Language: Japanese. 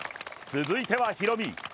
続いてはヒロミ。